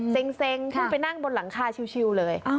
เซ็งขึ้นไปนั่งบนหลังคาชิวเลย